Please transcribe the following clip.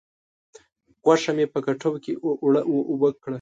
غوښه مې په کټو کې اوړه و اوبه کړه.